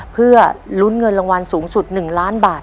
เพื่อลุ้นเงินรางวัลสูงสุด๑ล้านบาท